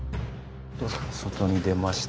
外に出ました。